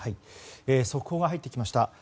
速報が入ってきました。